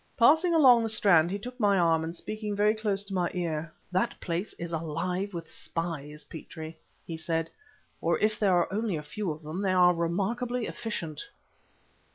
Passing along the Strand, he took my arm, and speaking close to my ear "That place is alive with spies, Petrie," he said; "or if there are only a few of them they are remarkably efficient!"